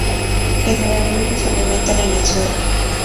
Generalmente se alimentan en el suelo.